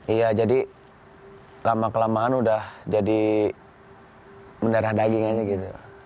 iya jadi lama kelamaan udah jadi mendarah daging aja gitu